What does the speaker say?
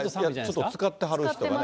ちょっとつかってはる人がね。